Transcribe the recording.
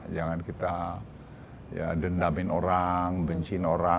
jangan kita dendamin orang bencin orang